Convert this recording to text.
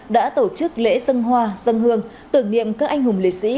đã tổ chức lễ dân hoa dân hương tưởng niệm các anh hùng liệt sĩ